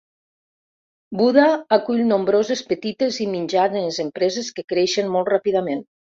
Buda acull nombroses petites i mitjanes empreses que creixen molt ràpidament.